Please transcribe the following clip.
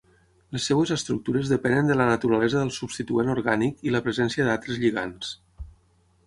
Les seves estructures depenen de la naturalesa del substituent orgànic i la presència d'altres lligands.